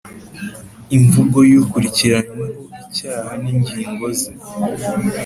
Imvugo y ukurikiranyweho icyaha n ingingo ze